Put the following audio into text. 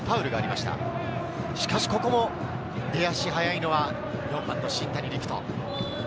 しかし、ここも出足速いのは４番の新谷陸斗。